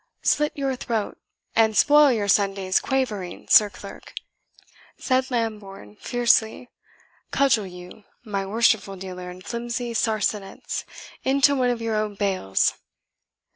"Slit your throat, and spoil your Sunday's quavering, Sir Clerk," said Lambourne fiercely; "cudgel you, my worshipful dealer in flimsy sarsenets, into one of your own bales."